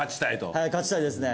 はい勝ちたいですね。